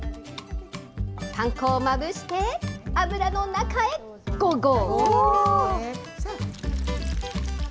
パン粉をまぶして、油の中へ、ゴーゴー。